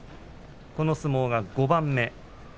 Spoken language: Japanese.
この相撲は５番目です。